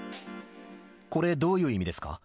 これどういう意味ですか？